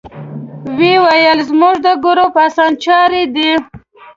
ویل یې زموږ د ګروپ اسانچاری دی.